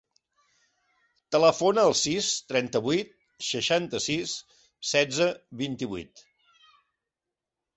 Telefona al sis, trenta-vuit, seixanta-sis, setze, vint-i-vuit.